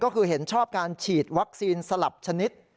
ก็คือเห็นชอบการฉีดวัคซีนสลับชนิด